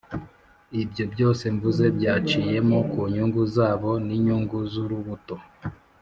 ibyo byose mvuze byaciye mo ku nyungu zabo n'inyungu z'urubuto,